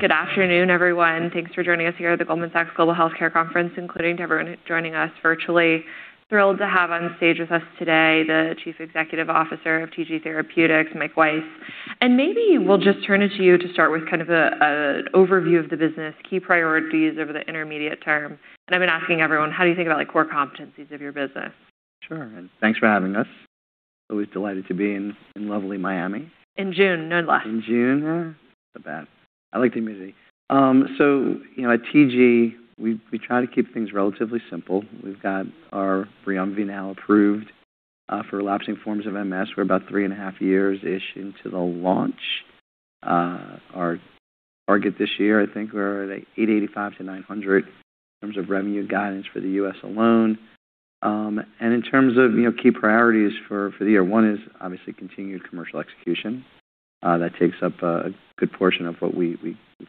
Good afternoon, everyone. Thanks for joining us here at the Goldman Sachs Global Healthcare Conference, including everyone joining us virtually. Thrilled to have on stage with us today the Chief Executive Officer of TG Therapeutics, Mike Weiss. Maybe we'll just turn it to you to start with kind of an overview of the business, key priorities over the intermediate term. I've been asking everyone, how do you think about core competencies of your business? Sure. Thanks for having us. Always delighted to be in lovely Miami. In June, nonetheless. In June. Not bad. I like the humidity. At TG, we try to keep things relatively simple. We've got our BRIUMVI now approved for relapsing forms of MS. We're about three and a half years-ish into the launch. Our target this year, I think we're at $885-$900 in terms of revenue guidance for the U.S. alone. In terms of key priorities for the year, one is obviously continued commercial execution. That takes up a good portion of what we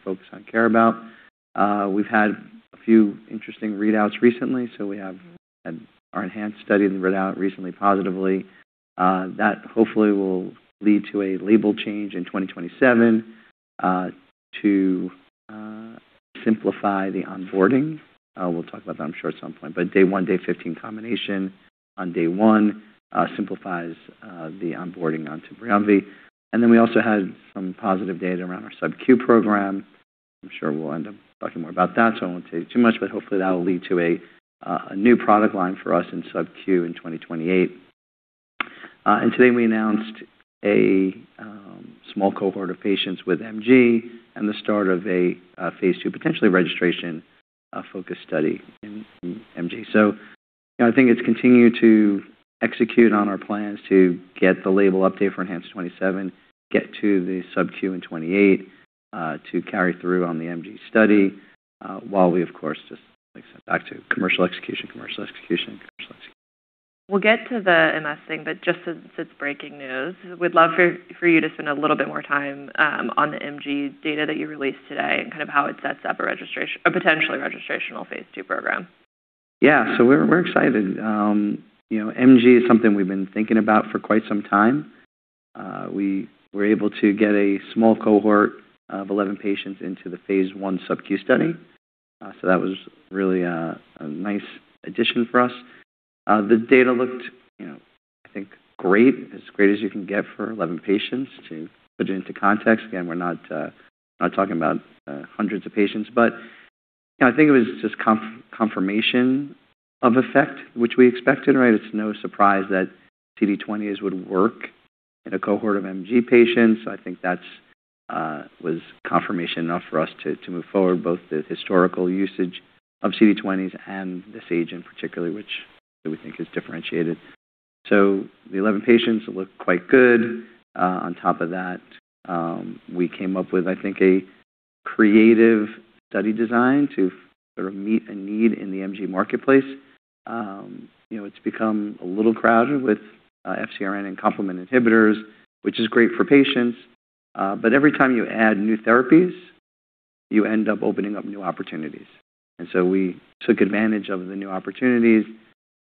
focus on and care about. We've had a few interesting readouts recently, we have had our ENHANCE study read out recently positively. That hopefully will lead to a label change in 2027 to simplify the onboarding. We'll talk about that, I'm sure, at some point. Day one, day 15 combination on day one simplifies the onboarding onto BRIUMVI. We also had some positive data around our sub-Q program. I'm sure we'll end up talking more about that, so I won't say too much, but hopefully that'll lead to a new product line for us in sub-Q in 2028. Today we announced a small cohort of patients with MG and the start of a phase II potentially registration focus study in MG. I think it's continue to execute on our plans to get the label update for ENHANCE 2027, get to the sub-Q in 2028 to carry through on the MG study while we, of course, just like I said, back to commercial execution. We'll get to the MS thing, but just since it's breaking news, we'd love for you to spend a little bit more time on the MG data that you released today and how it sets up a potentially registrational phase II program. We're excited. MG is something we've been thinking about for quite some time. We were able to get a small cohort of 11 patients into the phase I sub-Q study. That was really a nice addition for us. The data looked I think great, as great as you can get for 11 patients. To put it into context, again, we're not talking about hundreds of patients, but I think it was just confirmation of effect, which we expected, right? It's no surprise that CD20s would work in a cohort of MG patients. I think that was confirmation enough for us to move forward, both the historical usage of CD20s and this agent particularly, which we think is differentiated. The 11 patients look quite good. On top of that, we came up with, I think, a creative study design to sort of meet a need in the MG marketplace. It's become a little crowded with FcRn and complement inhibitors, which is great for patients. Every time you add new therapies, you end up opening up new opportunities, we took advantage of the new opportunities.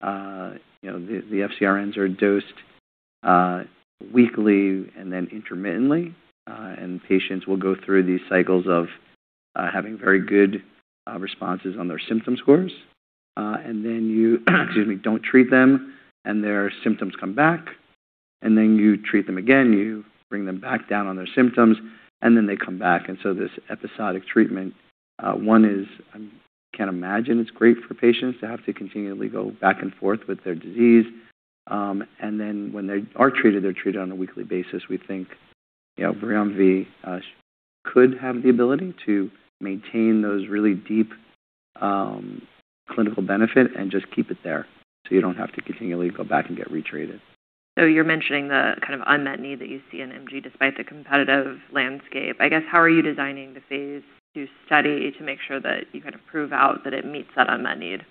The FcRns are dosed weekly and then intermittently, and patients will go through these cycles of having very good responses on their symptom scores. You excuse me, don't treat them, and their symptoms come back, and then you treat them again, you bring them back down on their symptoms, and then they come back. This episodic treatment, one is I can't imagine it's great for patients to have to continually go back and forth with their disease. When they are treated, they're treated on a weekly basis. We think BRIUMVI could have the ability to maintain those really deep clinical benefit and just keep it there so you don't have to continually go back and get retreated. You're mentioning the kind of unmet need that you see in MG despite the competitive landscape. I guess, how are you designing the phase II study to make sure that you kind of prove out that it meets that unmet need?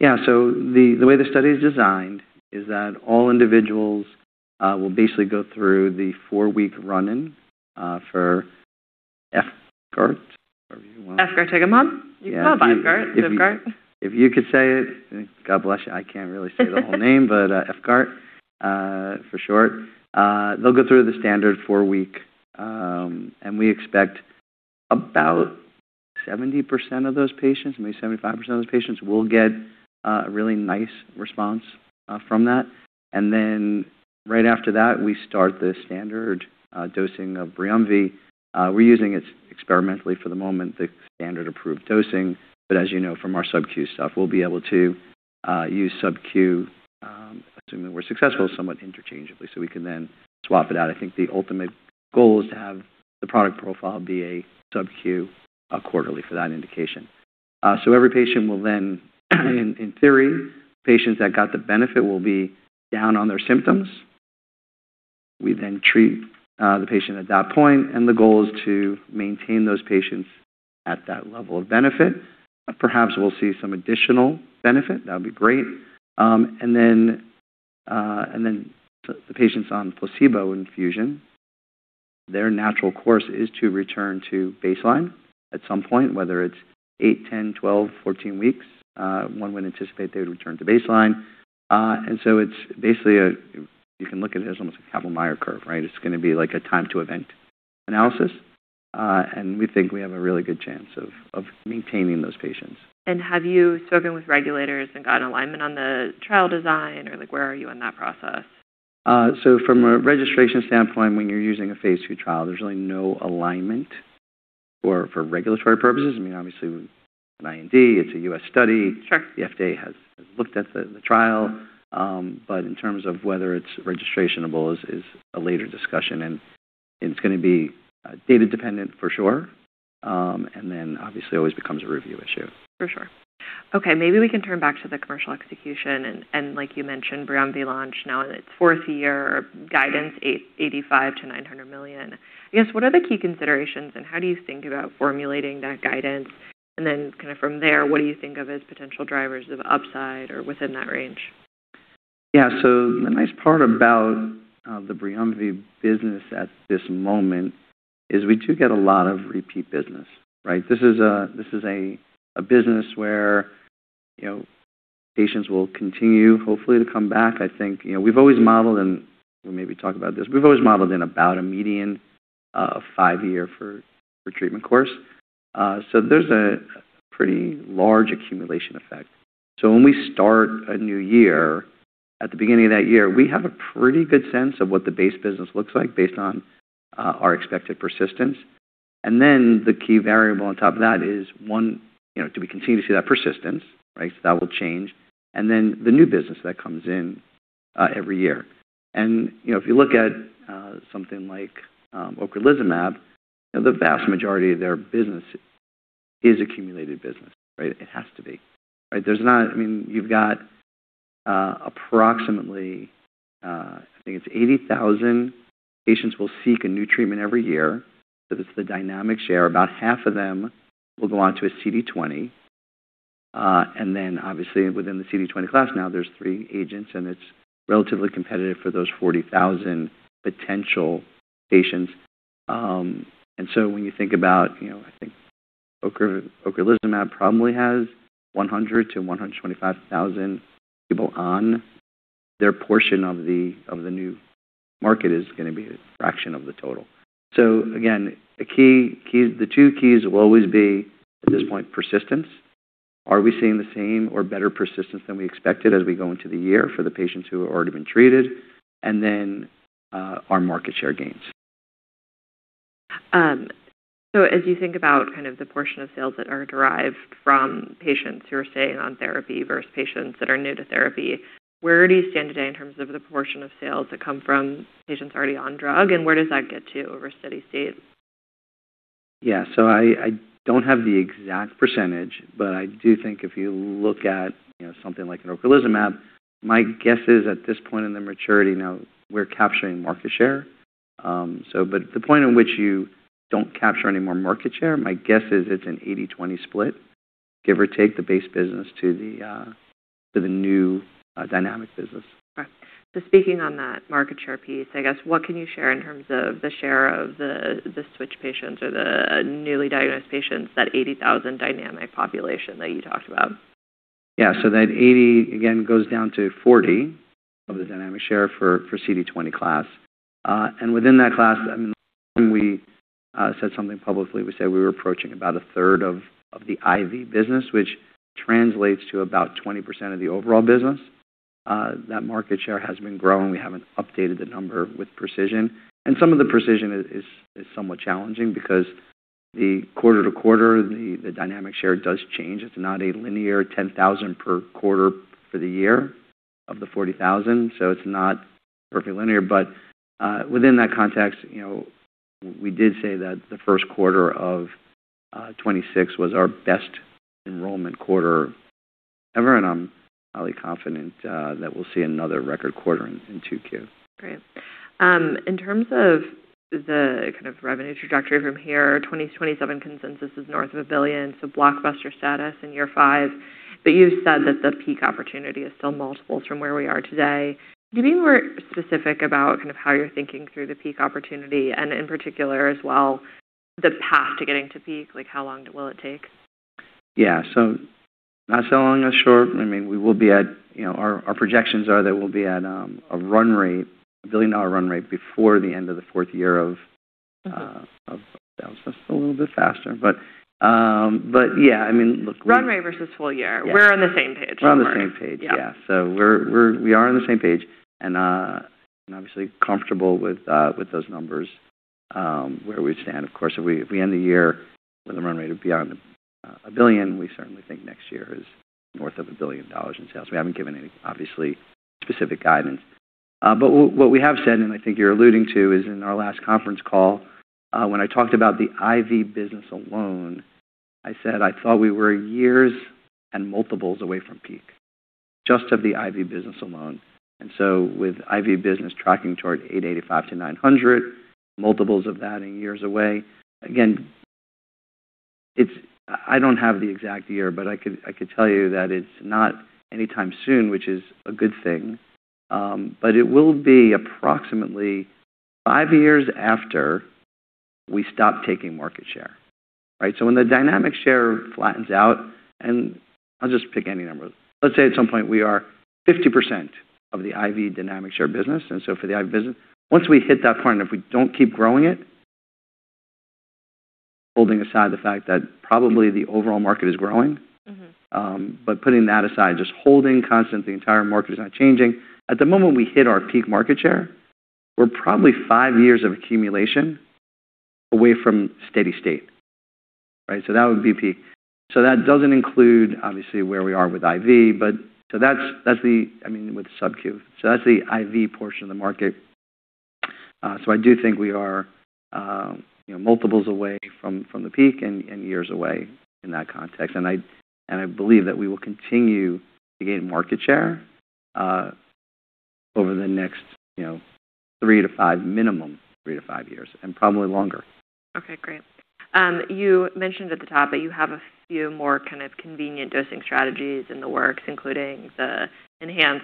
Yeah. The way the study is designed is that all individuals will basically go through the four-week run-in for FCARD. However you want. FCARD, Tigacimbab. You can call it BiGART, Žigart. If you could say it, God bless you. I can't really say the whole name, but FCARD for short. They'll go through the standard four-week, and we expect about 70% of those patients, maybe 75% of those patients will get a really nice response from that. Right after that, we start the standard dosing of BRIUMVI. We're using it experimentally for the moment, the standard approved dosing. As you know from our sub-Q stuff, we'll be able to use sub-Q, assuming we're successful, somewhat interchangeably, so we can then swap it out. I think the ultimate goal is to have the product profile be a sub-Q quarterly for that indication. Every patient will then in theory, patients that got the benefit will be down on their symptoms. We then treat the patient at that point, the goal is to maintain those patients at that level of benefit. Perhaps we'll see some additional benefit. That would be great. The patients on placebo infusion, their natural course is to return to baseline at some point, whether it's eight, 10, 12, 14 weeks, one would anticipate they would return to baseline. It's basically you can look at it as almost a Kaplan-Meier curve, right? It's going to be like a time to event analysis. We think we have a really good chance of maintaining those patients. Have you spoken with regulators and gotten alignment on the trial design, or where are you in that process? From a registration standpoint, when you're using a phase II trial, there's really no alignment for regulatory purposes. I mean, obviously, an IND, it's a U.S. study. Sure. The FDA has looked at the trial. In terms of whether it's registrationable is a later discussion, and it's going to be data dependent for sure. Then obviously always becomes a review issue. For sure. Okay, maybe we can turn back to the commercial execution and like you mentioned, BRIUMVI launch now in its fourth year, guidance $885 million-$900 million. I guess, what are the key considerations, and how do you think about formulating that guidance? Then from there, what do you think of as potential drivers of upside or within that range? Yeah. The nice part about the BRIUMVI business at this moment is we do get a lot of repeat business, right? This is a business where patients will continue, hopefully, to come back. I think we've always modeled, and we'll maybe talk about this. We've always modeled in about a median of five year for treatment course. There's a pretty large accumulation effect. When we start a new year, at the beginning of that year, we have a pretty good sense of what the base business looks like based on our expected persistence. Then the key variable on top of that is one, do we continue to see that persistence? Right. Then the new business that comes in every year. If you look at something like ocrelizumab, the vast majority of their business is accumulated business. Right? It has to be. You've got approximately, I think it's 80,000 patients will seek a new treatment every year. That's the dynamic share. About half of them will go onto a CD20. Then obviously within the CD20 class, now there's three agents, and it's relatively competitive for those 40,000 potential patients. When you think about, I think ocrelizumab probably has 100,000-125,000 people on, their portion of the new market is going to be a fraction of the total. Again, the two keys will always be, at this point, persistence. Are we seeing the same or better persistence than we expected as we go into the year for the patients who have already been treated? Then our market share gains. As you think about the portion of sales that are derived from patients who are staying on therapy versus patients that are new to therapy, where do you stand today in terms of the portion of sales that come from patients already on drug, and where does that get to over steady state? Yeah. I don't have the exact percentage, but I do think if you look at something like an ocrelizumab, my guess is at this point in the maturity now, we're capturing market share. The point at which you don't capture any more market share, my guess is it's an 80/20 split, give or take the base business to the new dynamic business. Right. Speaking on that market share piece, I guess, what can you share in terms of the share of the switch patients or the newly diagnosed patients, that 80,000 dynamic population that you talked about? Yeah. That 80, again, goes down to 40 of the dynamic share for CD20 class. Within that class, I mean, when we said something publicly, we said we were approaching about a third of the IV business, which translates to about 20% of the overall business. That market share has been growing. We haven't updated the number with precision. Some of the precision is somewhat challenging because the quarter to quarter, the dynamic share does change. It's not a linear 10,000 per quarter for the year of the 40,000, it's not perfectly linear. Within that context, we did say that the first quarter of 2026 was our best enrollment quarter ever, and I'm highly confident that we'll see another record quarter in 2Q. Great. In terms of the revenue trajectory from here, 2027 consensus is north of $1 billion, so blockbuster status in year five. You've said that the peak opportunity is still multiples from where we are today. Can you be more specific about how you're thinking through the peak opportunity and in particular as well, the path to getting to peak? How long will it take? Yeah. Not so long or short. I mean, our projections are that we'll be at a $1 billion-dollar run rate before the end of the fourth year of sales. That's a little bit faster. Yeah, I mean, look. Run rate versus full year. Yes. We're on the same page. We're on the same page. Yeah. Yeah. We are on the same page and obviously comfortable with those numbers, where we stand. Of course, if we end the year with a run rate of beyond $1 billion, we certainly think next year is north of $1 billion in sales. We haven't given any, obviously, specific guidance. What we have said, and I think you're alluding to, is in our last conference call, when I talked about the IV business alone, I said I thought we were years and multiples away from peak, just of the IV business alone. With IV business tracking toward $885-$900, multiples of that and years away. Again, I don't have the exact year, but I could tell you that it's not anytime soon, which is a good thing. It will be approximately five years after we stop taking market share. Right? When the dynamic share flattens out, and I'll just pick any numbers. Let's say at some point we are 50% of the IV dynamic share business. For the IV business, once we hit that point, if we don't keep growing it, holding aside the fact that probably the overall market is growing. Putting that aside, just holding constant, the entire market is not changing. At the moment we hit our peak market share, we're probably five years of accumulation away from steady state, right? That would be peak. That doesn't include, obviously, where we are with IV, I mean, with subcu. That's the IV portion of the market. I do think we are multiples away from the peak and years away in that context. I believe that we will continue to gain market share over the next minimum 3-5 years, and probably longer. Okay, great. You mentioned at the top that you have a few more kind of convenient dosing strategies in the works, including the ENHANCE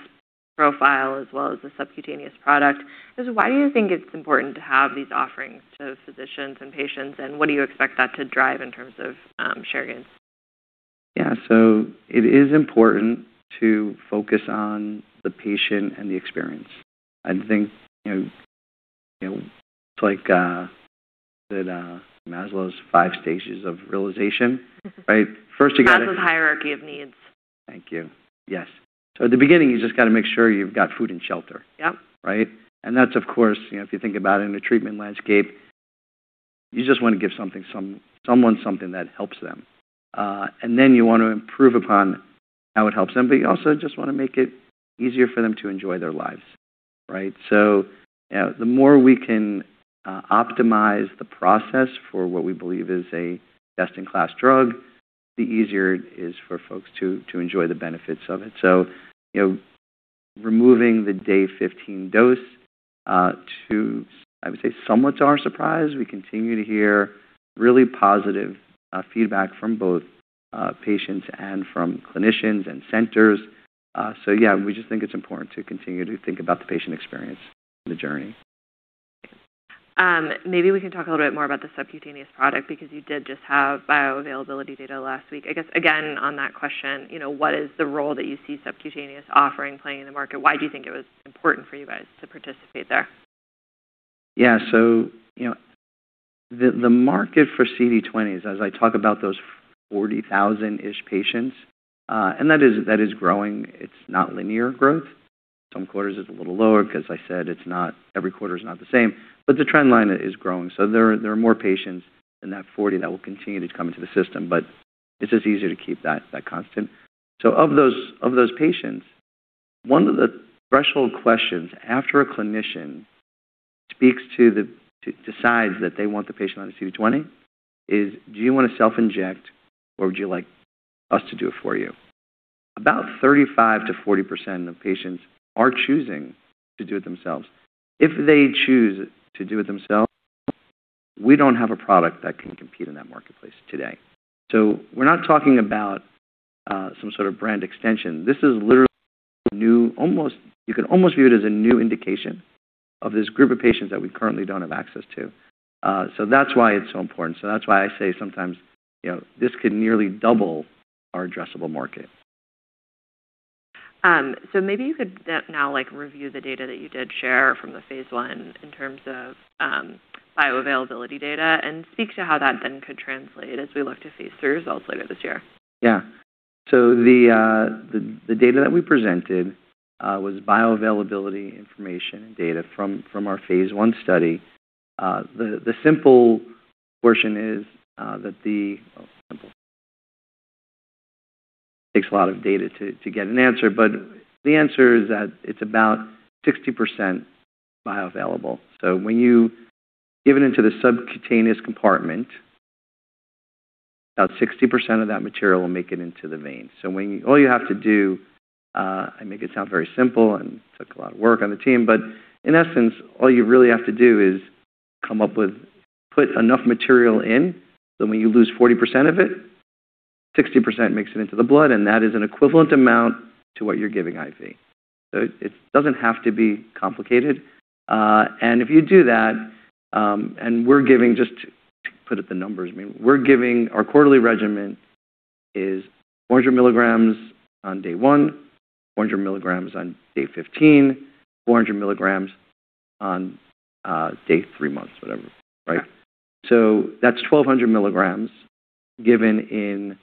profile as well as the sub-Q product. Just why do you think it's important to have these offerings to physicians and patients, and what do you expect that to drive in terms of share gains? Yeah. It is important to focus on the patient and the experience. I think, it's like Maslow's 5 stages of realization, right? First, you got to- Maslow's hierarchy of needs. Thank you. Yes. At the beginning, you just got to make sure you've got food and shelter. Yep. Right? That's of course, if you think about it in a treatment landscape, you just want to give someone something that helps them. Then you want to improve upon how it helps them, but you also just want to make it easier for them to enjoy their lives, right? The more we can optimize the process for what we believe is a best-in-class drug, the easier it is for folks to enjoy the benefits of it. Removing the day 15 dose to, I would say, somewhat to our surprise, we continue to hear really positive feedback from both patients and from clinicians and centers. Yeah, we just think it's important to continue to think about the patient experience, the journey. Maybe we can talk a little bit more about the subcutaneous product, because you did just have bioavailability data last week. I guess again, on that question, what is the role that you see subcutaneous offering playing in the market? Why do you think it was important for you guys to participate there? Yeah. The market for CD20s, as I talk about those 40,000-ish patients, that is growing. It's not linear growth. Some quarters it's a little lower, because as I said, every quarter is not the same, but the trend line is growing. There are more patients in that 40 that will continue to come into the system, but it's just easier to keep that constant. Of those patients, one of the threshold questions after a clinician decides that they want the patient on a CD20 is, do you want to self-inject, or would you like us to do it for you? About 35%-40% of patients are choosing to do it themselves. If they choose to do it themselves, we don't have a product that can compete in that marketplace today. We're not talking about some sort of brand extension. This is literally new. You could almost view it as a new indication of this group of patients that we currently don't have access to. That's why it's so important. That's why I say sometimes this could nearly double our addressable market. maybe you could now review the data that you did share from the phase I in terms of bioavailability data, and speak to how that then could translate as we look to phase III results later this year. The data that we presented was bioavailability information and data from our phase I study. The simple portion is that it's about 60% bioavailable. When you give it into the subcutaneous compartment, about 60% of that material will make it into the vein. All you have to do, I make it sound very simple and took a lot of work on the team, but in essence, all you really have to do is put enough material in that when you lose 40% of it, 60% makes it into the blood, and that is an equivalent amount to what you're giving IV. It doesn't have to be complicated. If you do that, just to put up the numbers, our quarterly regimen is 400 mgs on day 1, 400 mgs on day 15, 400 mgs on day 3 months, whatever. Yeah. That's 1,200 mgs given in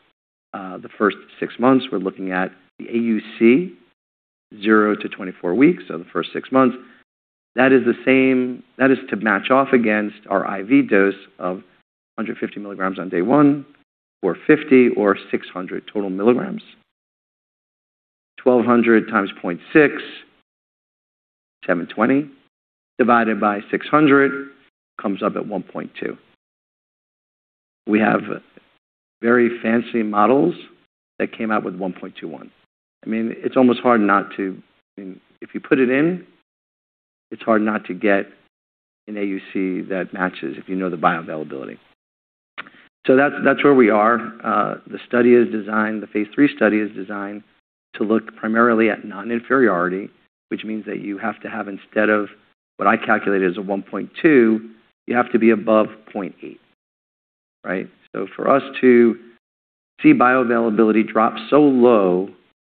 the first 6 months. We're looking at the AUC 0 to 24 weeks, the first 6 months. That is to match off against our IV dose of 150 mgs on day 1 for 50 or 600 total mgs. 1,200x 0.6, 720, divided by 600, comes up at 1.2. We have very fancy models that came out with 1.21. If you put it in, it's hard not to get an AUC that matches if you know the bioavailability. That's where we are. The phase III study is designed to look primarily at non-inferiority, which means that you have to have, instead of what I calculated as a 1.2, you have to be above 0.8. For us to see bioavailability drop so low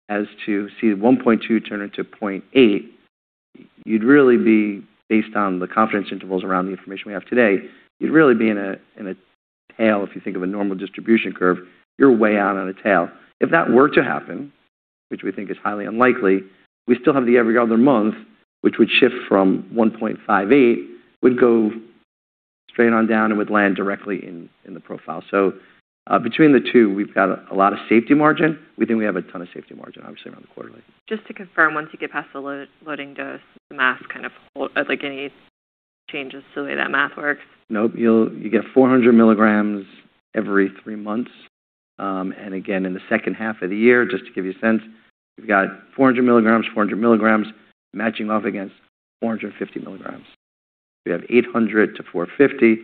as to see 1.2 turn into 0.8, based on the confidence intervals around the information we have today, you'd really be in a tail, if you think of a normal distribution curve, you're way out on a tail. If that were to happen, which we think is highly unlikely, we still have the every other month, which would shift from 1.58, would go straight on down and would land directly in the profile. Between the two, we've got a lot of safety margin. We think we have a ton of safety margin, obviously, around the quarterly. Just to confirm, once you get past the loading dose, the math kind of hold, like any changes to the way that math works? Nope. You get 400 mgs every three months. Again, in the second half of the year, just to give you a sense, you've got 400 mgs, 400 mgs matching off against 450 mgs. If you have 800 to 450x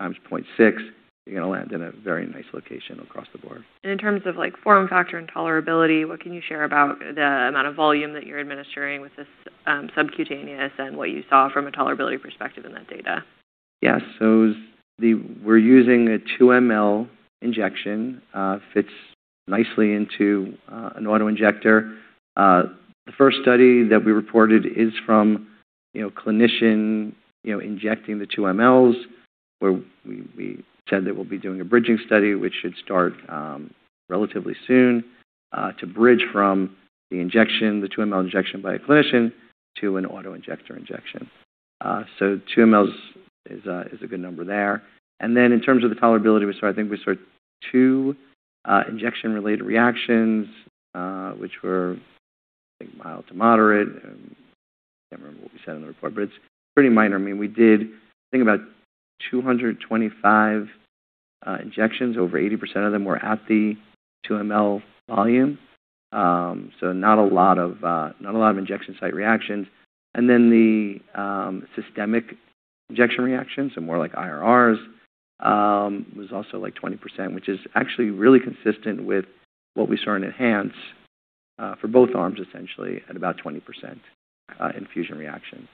0.6, you're going to land in a very nice location across the board. In terms of form factor and tolerability, what can you share about the amount of volume that you're administering with this subcutaneous and what you saw from a tolerability perspective in that data? We're using a 2 mL injection, fits nicely into an auto-injector. The first study that we reported is from a clinician injecting the 2 mLs, where we said that we'll be doing a bridging study, which should start relatively soon, to bridge from the injection, the 2 mL injection by a clinician to an auto-injector injection. 2 mLs is a good number there. In terms of the tolerability, I think we saw two injection-related reactions, which were, I think, mild to moderate. I can't remember what we said on the report, but it's pretty minor. We did, I think, about 225 injections. Over 80% of them were at the 2 mL volume. Not a lot of injection site reactions. The systemic injection reactions, so more like IRRs, was also like 20%, which is actually really consistent with what we saw in ENHANCE for both arms, essentially at about 20% infusion reaction.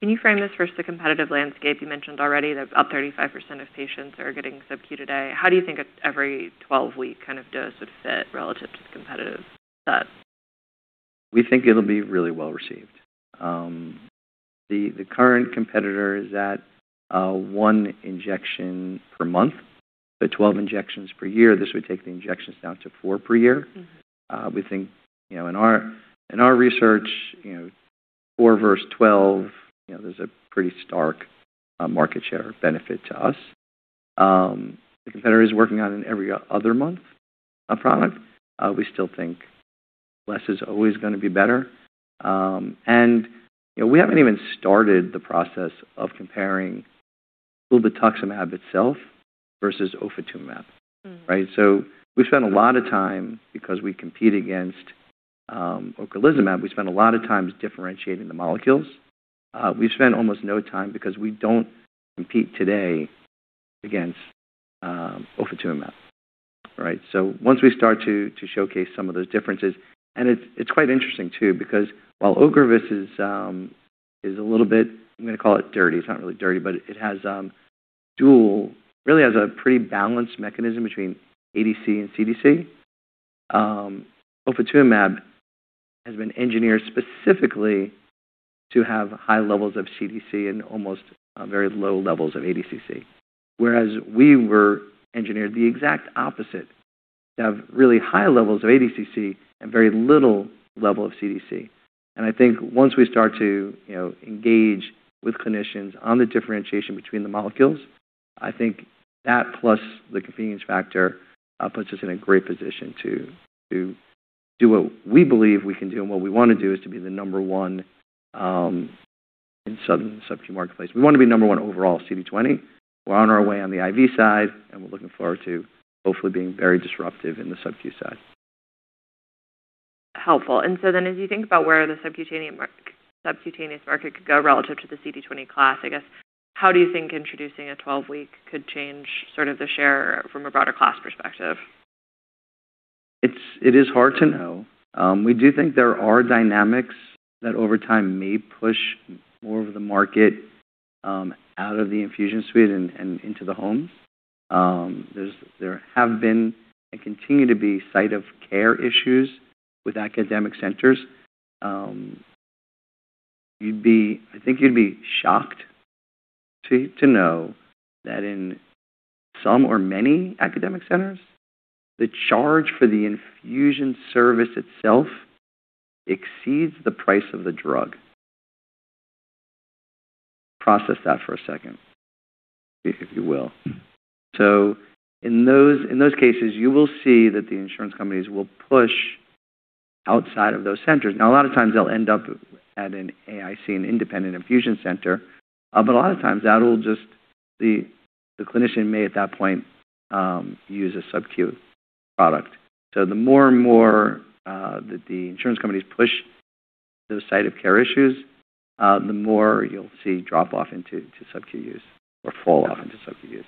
Can you frame this versus the competitive landscape? You mentioned already that about 35% of patients are getting sub-Q today. How do you think an every 12-week dose would fit relative to the competitive set? We think it'll be really well received. The current competitor is at one injection per month, so 12 injections per year. This would take the injections down to four per year. We think in our research, four versus 12, there's a pretty stark market share benefit to us. The competitor is working on an every other month product. We still think less is always going to be better. We haven't even started the process of comparing ublituximab itself versus ofatumumab. Right? We've spent a lot of time because we compete against ocrelizumab. We've spent a lot of time differentiating the molecules. We've spent almost no time because we don't compete today against ofatumumab. Right? Once we start to showcase some of those differences, it's quite interesting too, because while OCREVUS is a little bit, I'm going to call it dirty, it's not really dirty, but it has dual Really has a pretty balanced mechanism between ADCC and CDC. Ofatumumab has been engineered specifically to have high levels of CDC and almost very low levels of ADCC, whereas we were engineered the exact opposite, to have really high levels of ADCC and very little level of CDC. I think once we start to engage with clinicians on the differentiation between the molecules, I think that plus the convenience factor puts us in a great position to do what we believe we can do and what we want to do is to be the number one in sub-Q marketplace. We want to be number one overall CD20. We're on our way on the IV side, and we're looking forward to hopefully being very disruptive in the sub-Q side. Helpful. As you think about where the subcutaneous market could go relative to the CD20 class, I guess, how do you think introducing a 12-week could change sort of the share from a broader class perspective? It is hard to know. We do think there are dynamics that over time may push more of the market out of the infusion suite and into the home. There have been and continue to be site of care issues with academic centers. I think you'd be shocked to know that in some or many academic centers, the charge for the infusion service itself exceeds the price of the drug. Process that for a second, if you will. In those cases, you will see that the insurance companies will push outside of those centers. A lot of times they'll end up at an AIC, an independent infusion center. A lot of times, the clinician may at that point use a sub-Q product. The more and more that the insurance companies push those site of care issues, the more you'll see drop-off into sub-Q use or fall-off into sub-Q use.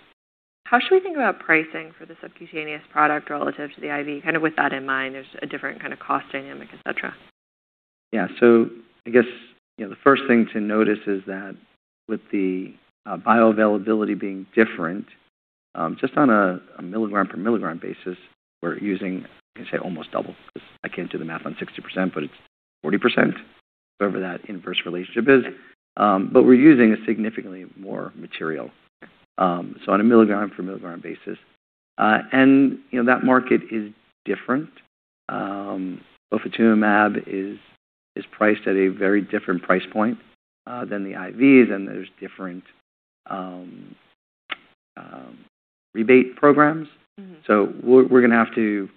How should we think about pricing for the subcutaneous product relative to the IV? Kind of with that in mind, there's a different kind of cost dynamic, et cetera. Yeah. I guess, the first thing to notice is that with the bioavailability being different, just on a milligram per milligram basis, we're using, I can say almost double, because I can't do the math on 60%, but it's 40%, whatever that inverse relationship is. We're using significantly more material, so on a milligram per milligram basis. That market is different. Ofatumumab is priced at a very different price point than the IVs, and there's different rebate programs. We're going to have to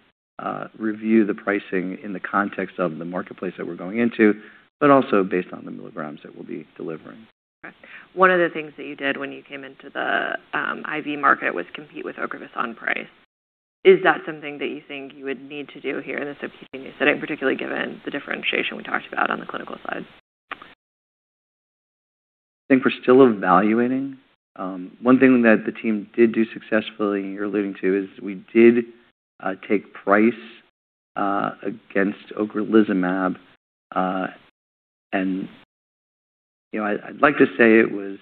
review the pricing in the context of the marketplace that we're going into, but also based on the milligrams that we'll be delivering. Okay. One of the things that you did when you came into the IV market was compete with Ocrevus on price. Is that something that you think you would need to do here in the subcutaneous setting, particularly given the differentiation we talked about on the clinical side? I think we're still evaluating. One thing that the team did do successfully, and you're alluding to, is we did take price against ocrelizumab. I'd like to say it was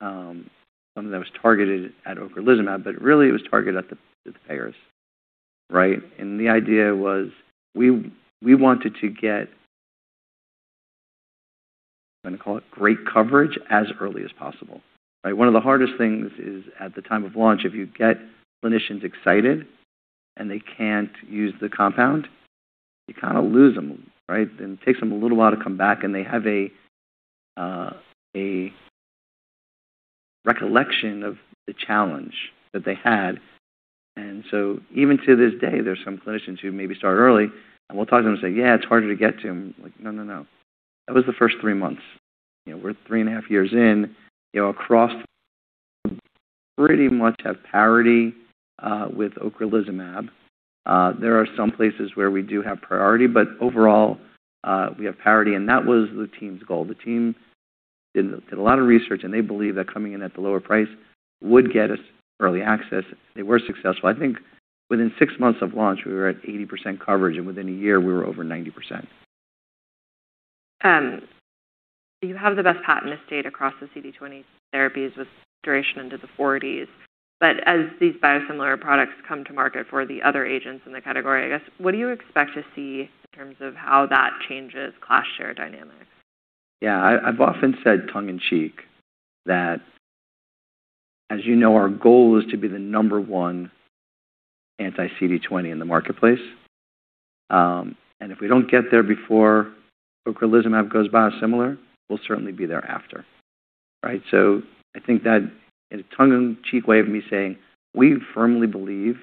something that was targeted at ocrelizumab, but really, it was targeted at the payers, right? The idea was we wanted to get, I'm going to call it great coverage, as early as possible, right? One of the hardest things is at the time of launch, if you get clinicians excited and they can't use the compound, you kind of lose them, right? It takes them a little while to come back, and they have a recollection of the challenge that they had. Even to this day, there's some clinicians who maybe start early, and we'll talk to them and say, "Yeah, it's harder to get to them." Like, no. That was the first three months. We're three and a half years in, across, pretty much have parity with ocrelizumab. There are some places where we do have priority, but overall, we have parity, and that was the team's goal. The team did a lot of research, and they believe that coming in at the lower price would get us early access. They were successful. I think within six months of launch, we were at 80% coverage, and within a year, we were over 90%. You have the best patent estate across the CD20 therapies with duration into the 40s. But as these biosimilar products come to market for the other agents in the category, I guess, what do you expect to see in terms of how that changes class share dynamics? Yeah. I've often said tongue in cheek that as you know, our goal is to be the number one anti-CD20 in the marketplace. If we don't get there before ocrelizumab goes biosimilar, we'll certainly be there after. Right? I think that in a tongue in cheek way of me saying, we firmly believe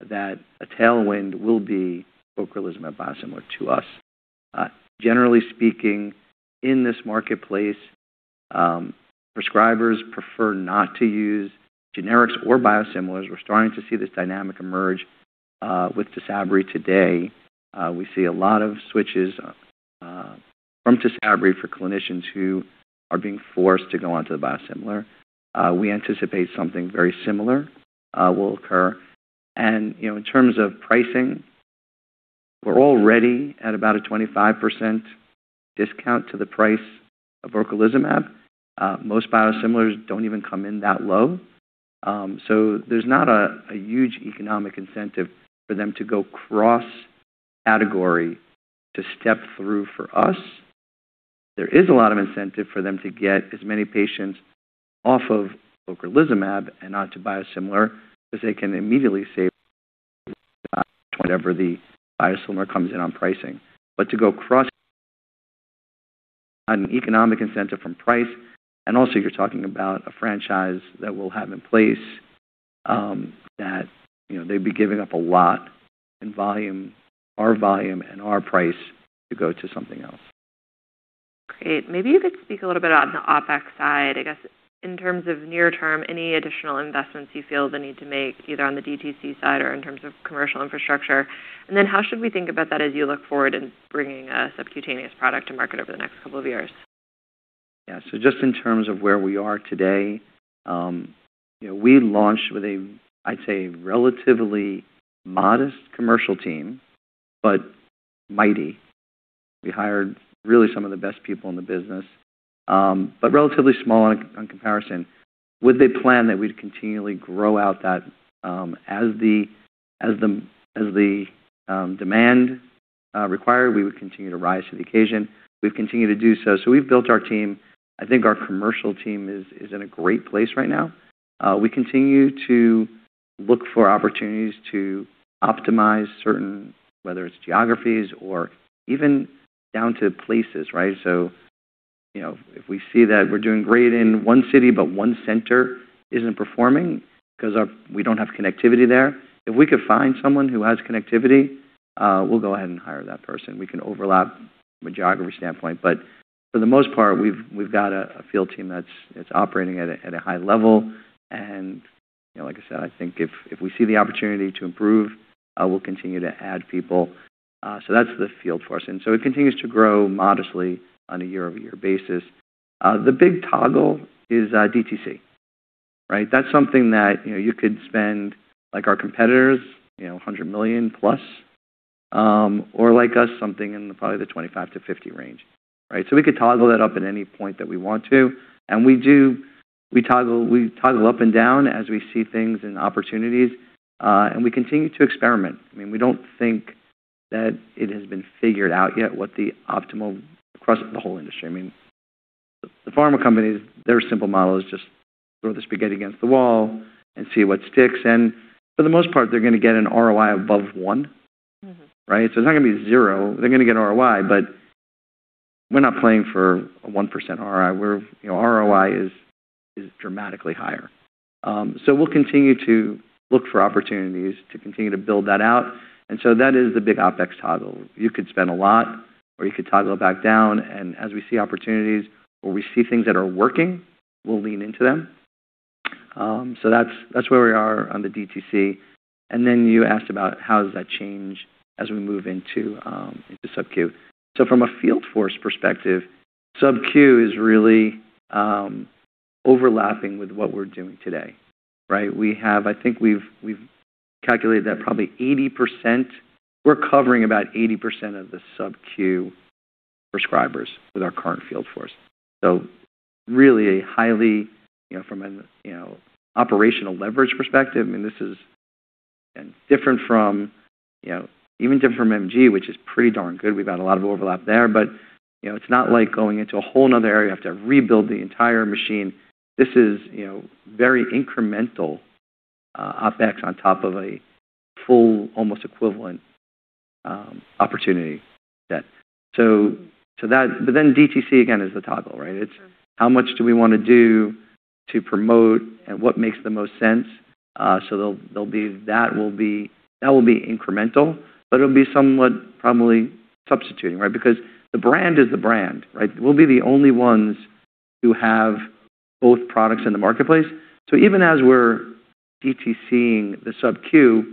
that a tailwind will be ocrelizumab biosimilar to us. Generally speaking, in this marketplace, prescribers prefer not to use generics or biosimilars. We're starting to see this dynamic emerge with TYSABRI today. We see a lot of switches from TYSABRI for clinicians who are being forced to go onto the biosimilar. We anticipate something very similar will occur. In terms of pricing, we're already at about a 25% discount to the price of ocrelizumab. Most biosimilars don't even come in that low. There's not a huge economic incentive for them to go cross-category to step through for us. There is a lot of incentive for them to get as many patients off of ocrelizumab and onto biosimilar because they can immediately save whatever the biosimilar comes in on pricing. To go cross, an economic incentive from price, and also you're talking about a franchise that we'll have in place, that they'd be giving up a lot in volume, our volume and our price to go to something else. Great. Maybe you could speak a little on the OpEx side, I guess, in terms of near term, any additional investments you feel the need to make, either on the DTC side or in terms of commercial infrastructure. How should we think about that as you look forward in bringing a subcutaneous product to market over the next couple of years? Just in terms of where we are today, we launched with a, I'd say, relatively modest commercial team, but mighty. We hired really some of the best people in the business. Relatively small on comparison with a plan that we'd continually grow out that as the demand required, we would continue to rise to the occasion. We've continued to do so. We've built our team. I think our commercial team is in a great place right now. We continue to look for opportunities to optimize certain, whether it's geographies or even down to places, right? If we see that we're doing great in one city, but one center isn't performing because we don't have connectivity there, if we could find someone who has connectivity, we'll go ahead and hire that person. We can overlap from a geography standpoint. For the most part, we've got a field team that's operating at a high level and. Like I said, I think if we see the opportunity to improve, we'll continue to add people. That's the field force. It continues to grow modestly on a year-over-year basis. The big toggle is DTC, right? That's something that you could spend, like our competitors, $100 million+, or like us, something in probably the $25-$50 range, right? We could toggle that up at any point that we want to, and we do. We toggle up and down as we see things and opportunities. We continue to experiment. I mean, we don't think that it has been figured out yet what the optimal across the whole industry. I mean, the pharma companies, their simple model is just throw the spaghetti against the wall and see what sticks. For the most part, they're going to get an ROI above one, right? It's not going to be zero. They're going to get ROI, but we're not playing for a 1% ROI. Our ROI is dramatically higher. We'll continue to look for opportunities to continue to build that out. That is the big OpEx toggle. You could spend a lot or you could toggle it back down, and as we see opportunities or we see things that are working, we'll lean into them. That's where we are on the DTC. Then you asked about how does that change as we move into sub-Q. From a field force perspective, sub-Q is really overlapping with what we're doing today, right? I think we've calculated that probably 80%, we're covering about 80% of the sub-Q prescribers with our current field force. Really a highly, from an operational leverage perspective, I mean, this is different from, even different from MG, which is pretty darn good. We've got a lot of overlap there. It's not like going into a whole another area, you have to rebuild the entire machine. This is very incremental OpEx on top of a full, almost equivalent opportunity set. DTC, again, is the toggle, right? Sure. It's how much do we want to do to promote and what makes the most sense. That will be incremental, but it'll be somewhat probably substituting, right? Because the brand is the brand, right? We'll be the only ones who have both products in the marketplace. Even as we're DTC-ing the subcu,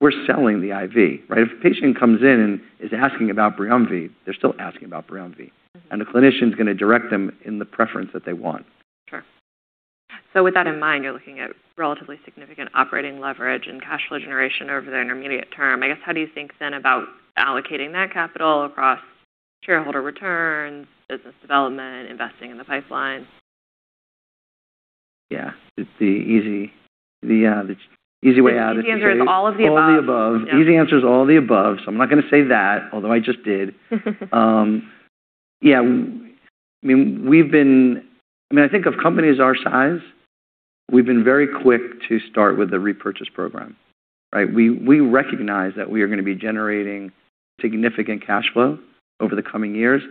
we're selling the IV, right? If a patient comes in and is asking about Briumvi, they're still asking about Briumvi. The clinician's going to direct them in the preference that they want. Sure. With that in mind, you're looking at relatively significant operating leverage and cash flow generation over the intermediate term. I guess, how do you think then about allocating that capital across shareholder returns, business development, investing in the pipeline? Yeah. It's the easy way out. The easy answer is all of the above Alll of the above. Yeah. Easy answer is all of the above, I'm not going to say that, although I just did. Yeah. I mean, I think of companies our size, we've been very quick to start with the repurchase program, right? We recognize that we are going to be generating significant cash flow over the coming years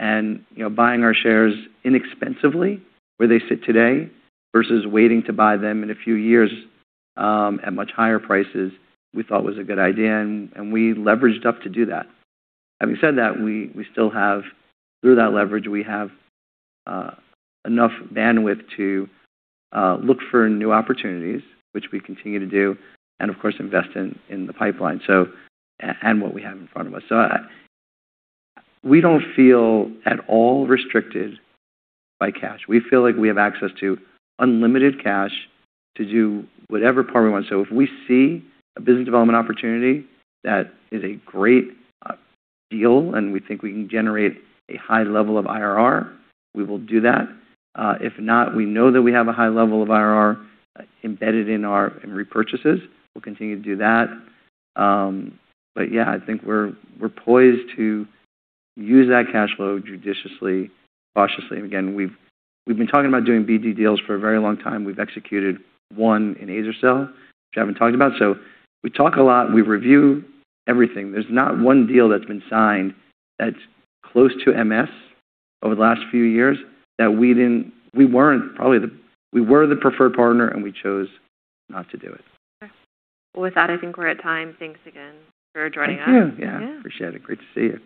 and buying our shares inexpensively where they sit today versus waiting to buy them in a few years, at much higher prices, we thought was a good idea, and we leveraged up to do that. Having said that, through that leverage, we have enough bandwidth to look for new opportunities, which we continue to do, and of course, invest in the pipeline, and what we have in front of us. We don't feel at all restricted by cash. We feel like we have access to unlimited cash to do whatever part we want. If we see a business development opportunity that is a great deal and we think we can generate a high level of IRR, we will do that. If not, we know that we have a high level of IRR embedded in our repurchases. We'll continue to do that. Yeah, I think we're poised to use that cash flow judiciously, cautiously. Again, we've been talking about doing BD deals for a very long time. We've executed one in azer-cel, which I haven't talked about. We talk a lot. We review everything. There's not one deal that's been signed that's close to MS over the last few years that we were the preferred partner and we chose not to do it. Sure. With that, I think we're at time. Thanks again for joining us. Thank you. Yeah. Yeah. Appreciate it. Great to see you